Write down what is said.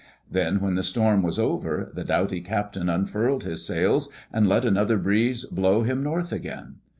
Then when the storm was over, the doughty captain unfurled his sails and let another breeze blow him north again.